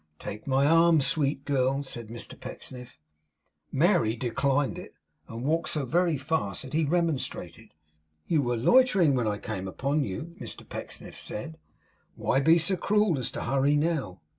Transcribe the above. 'Take my arm, sweet girl,' said Mr Pecksniff. Mary declined it, and walked so very fast that he remonstrated. 'You were loitering when I came upon you,' Mr Pecksniff said. 'Why be so cruel as to hurry now?